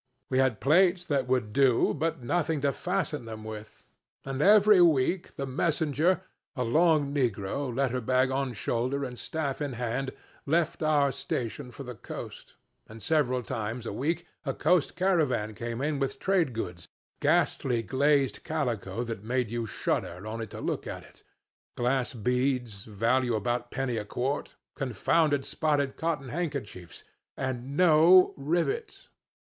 We had plates that would do, but nothing to fasten them with. And every week the messenger, a lone negro, letter bag on shoulder and staff in hand, left our station for the coast. And several times a week a coast caravan came in with trade goods, ghastly glazed calico that made you shudder only to look at it, glass beads value about a penny a quart, confounded spotted cotton handkerchiefs. And no rivets.